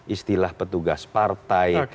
istilah petugas partai